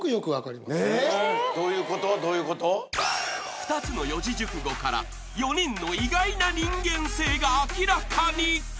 ［２つの四字熟語から４人の意外な人間性が明らかに］